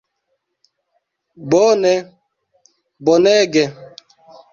Bone, bonege!